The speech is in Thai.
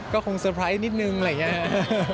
ก็คงเซอร์ไพรส์นิดนึงอะไรอย่างนี้